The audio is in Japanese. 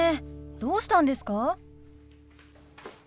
どうしたんですか？